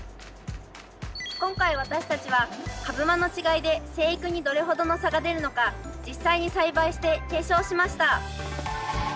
今回私たちは株間の違いで生育にどれほどの差が出るのか実際に栽培して検証しました。